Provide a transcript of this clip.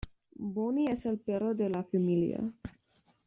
Boney es el perro de la familia.